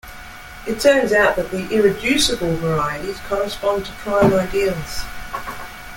It turns out that the irreducible varieties correspond to prime ideals.